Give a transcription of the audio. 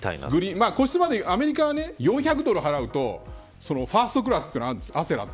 アメリカは４００ドル払うとファーストクラスっていうのがあるんですよ。